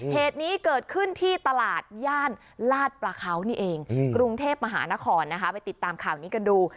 เหตุนี้เกิดขึ้นที่ตลาดย่านลาดประเขานี่เองกรุงเทพมหานครนะคะไปติดตามข่าวนี้กันดู